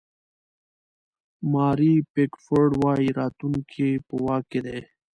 ماري پیکفورډ وایي راتلونکی په واک کې دی.